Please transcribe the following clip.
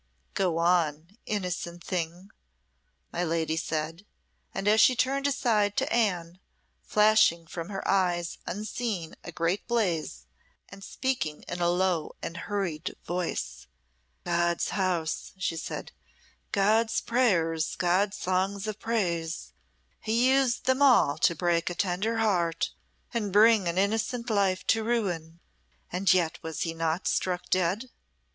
"Go on, innocent thing," my lady said; and she turned aside to Anne, flashing from her eyes unseen a great blaze, and speaking in a low and hurried voice. "God's house," she said "God's prayers God's songs of praise he used them all to break a tender heart, and bring an innocent life to ruin and yet was he not struck dead?"